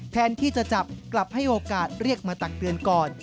แทนที่จะจับกลับให้โอกาสเรียกมาตักเตือนก่อน